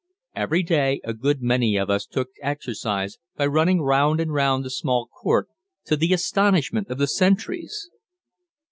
Every day a good many of us took exercise by running round and round the small court, to the astonishment of the sentries.